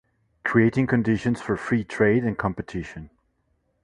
Creating conditions for free trade and competition.